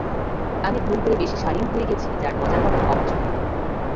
আমি ভুল করে বেশী শালিন হয়ে গেছি যার মজা করাও অপছন্দ।